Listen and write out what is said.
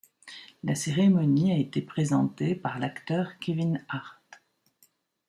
La cérémonie a été présentée par l'acteur Kevin Hart.